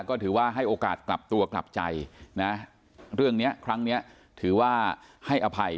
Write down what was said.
ก็ถือว่าให้โอกาสกลับตัวกลับใจนะเรื่องนี้ครั้งนี้ถือว่าให้อภัย